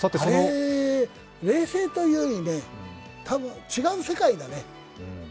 冷静というよりね、違う世界だね。